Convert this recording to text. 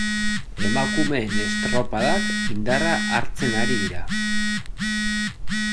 Emakumeen estropadak indarra hartzen ari dira.